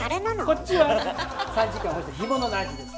こっちは３時間干した干物のアジです。